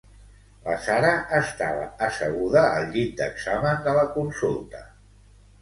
La Sara estava asseguda al llit d'examen de la consulta